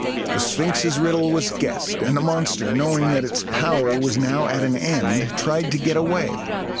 The Sphinx's riddle was guessed; and the monster, knowing that its power was now at an end, tried to get away.